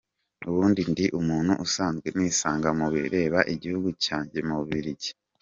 Ubundi ndi umuntu usanzwe nisanga mubireba igihugu cyanjye mu Bubirigi.